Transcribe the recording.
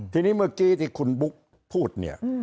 ทีนี้เมื่อกี้ที่คุณบุ๊กพูดเนี่ย